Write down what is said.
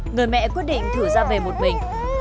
người mẹ quyết định thử ra về một mình